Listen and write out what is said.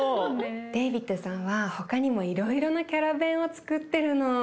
デイビッドさんは他にもいろいろなキャラベンをつくってるの。